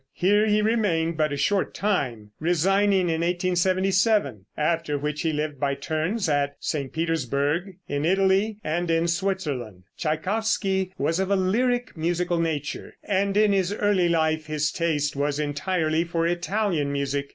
Here he remained but a short time, resigning in 1877, after which he lived by turns at St. Petersburgh, in Italy and in Switzerland. Tschaikowsky was of a lyric musical nature, and in his early life his taste was entirely for Italian music.